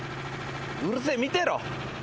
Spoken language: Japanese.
うるせえ見てろ。